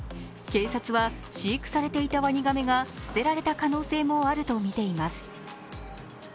警察は飼育されたワニガメが捨てられた可能性もあるとみています。